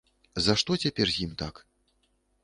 За што цяпер з ім так?